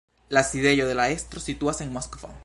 La sidejo de la estro situas en Moskvo.